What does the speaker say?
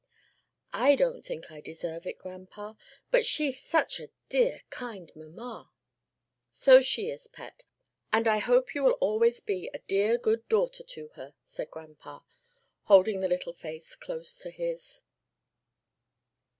"I don't think I deserve it, grandpa, but she's such a dear, kind mamma." "So she is, pet, and I hope you will always be a dear good daughter to her," said grandpa, holding the little face close to his.